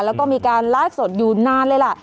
แล้วก็มีการไลฟ์สดอยู่นานเลยล่ะ